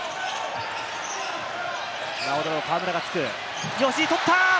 ローに河村がつく、吉井が取った！